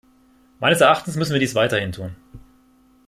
Meines Erachtens müssen wir dies weiterhin tun.